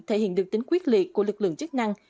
thể hiện được tính quyết liệt của lực lượng chức năng